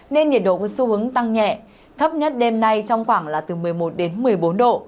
nên nhiệt độ có xu hướng tăng nhẹ thấp nhất đêm nay trong khoảng là từ một mươi một đến một mươi bốn độ